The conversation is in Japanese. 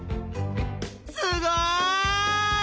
すごい！